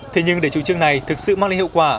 thế nhưng để chủ trương này thực sự mang lại hiệu quả